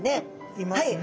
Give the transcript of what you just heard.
いますね。